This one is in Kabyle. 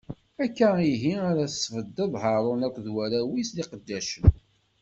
Akka ihi ara tesbeddeḍ Haṛun akked warraw-is d lqeddacen.